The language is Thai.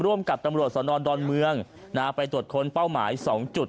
ร่วมกับตำรวจสนดอนเมืองไปตรวจค้นเป้าหมาย๒จุด